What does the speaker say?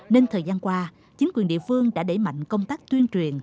nên thời gian qua chính quyền địa phương đã đẩy mạnh công tác tuyên truyền